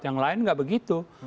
yang lain gak begitu